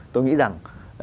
tôi nghĩ rằng